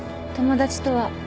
友達とは。